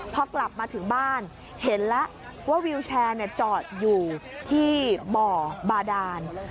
พอกลับมาถึงบ้านเห็นแล้วว่าวิวแชร์จอดอยู่ที่บ่อบาดาน